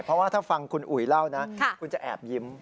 เพราะว่าถ้าฟังคุณอุ๋ยเล่านะคุณจะแอบยิ้ม